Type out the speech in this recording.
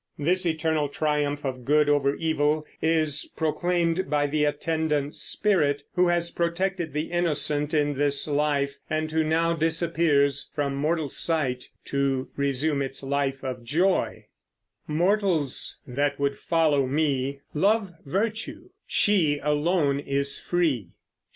This eternal triumph of good over evil is proclaimed by the Attendant Spirit who has protected the innocent in this life and who now disappears from mortal sight to resume its life of joy: Mortals, that would follow me, Love Virtue; she alone is free.